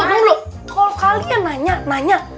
kalau kalian nanya nanya